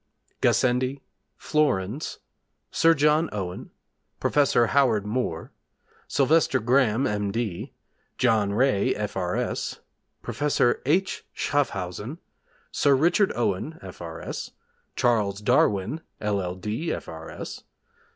Gassendi Flourens Sir John Owen Professor Howard Moore Sylvester Graham, M.D. John Ray, F.R.S. Professor H. Schaafhausen Sir Richard Owen, F.R.S. Charles Darwin, LL.D., F.R.S. Dr.